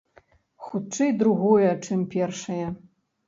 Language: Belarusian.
Хутчэй другое, чым першае.